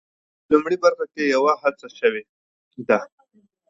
په لومړۍ برخه کې یوه هڅه شوې ده.